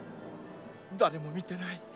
だれも見てない？